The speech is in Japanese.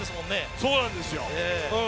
そうなんですよ。